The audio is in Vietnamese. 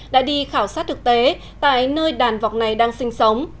đã đi khảo sát thực tế tại nơi đàn vọc này đang sinh sống